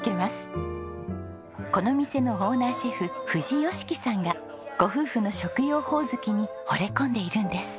この店のオーナーシェフ藤良樹さんがご夫婦の食用ホオズキにほれ込んでいるんです。